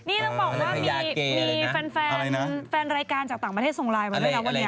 เออไหนดูสินี่จ้างบอกว่ามีแฟนรายการจากต่างประเทศทรงรายมาด้วยเราวันเนี้ย